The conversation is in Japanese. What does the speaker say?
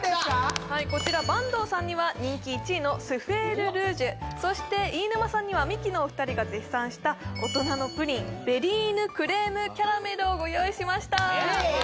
こちら坂東さんには人気１位のスフェールルージュそして飯沼さんにはミキのお二人が絶賛した大人のプリンヴェリーヌクレームキャラメルをご用意しましたイエーイ！